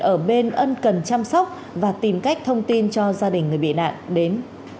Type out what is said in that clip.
ở bên ân cần chăm sóc và tìm cách thông tin cho gia đình người bị nạn đến